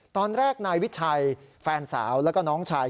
ตอนแรกนายวิชัยแฟนสาวแล้วก็น้องชาย